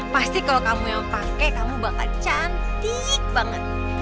pasti kalau kamu yang pakai kamu bakal cantik banget